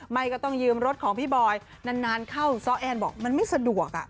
ไม่ต้องยืมรถของพี่บอยนานเข้าซ้อแอนบอกมันไม่สะดวก